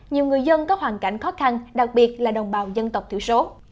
nhiều người dân có hoàn cảnh khó khăn đặc biệt là đồng bào dân tộc thiểu số